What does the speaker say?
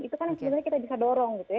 itu kan yang sebenarnya kita bisa dorong gitu ya